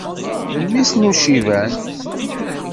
Mmi-s n Uciban.